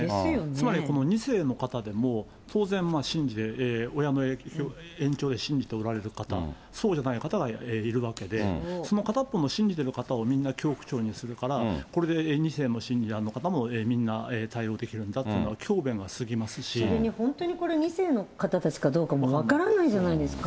つまりこの２世の方でも、当然、親の延長で信じておられる方、そうじゃない方がいるわけで、その片っぽの信じている方をみんな教区長にするから、これで２世の信者の方もみんな対応できるんだっていうのは教べんそれに本当にこれ、２世の方たちかどうかも分からないじゃないですか。